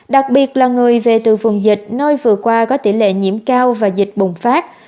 đặc biệt là người về từ vùng dịch nơi vừa qua có tỷ lệ nhiễm cao và dịch bùng phát